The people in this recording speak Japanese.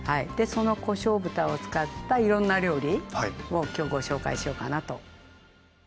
そのこしょう豚を使ったいろんな料理を今日ご紹介しようかなと。